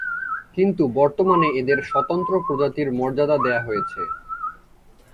কিন্তু বর্তমানে এদের স্বতন্ত্র প্রজাতির মর্যাদা দেয়া হয়েছে।